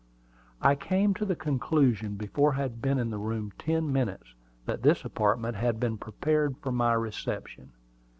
I came to the conclusion before I had been in the room ten minutes, that this apartment had been prepared for my reception.